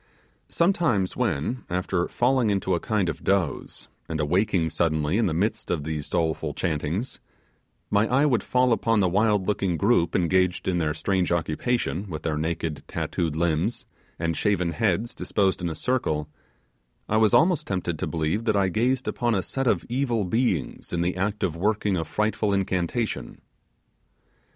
Sometimes when, after falling into a kind of doze, and awaking suddenly in the midst of these doleful chantings, my eye would fall upon the wild looking group engaged in their strange occupation, with their naked tattooed limbs, and shaven heads disposed in a circle, I was almost tempted to believe that I gazed upon a set of evil beings in the act of working at a frightful incantation.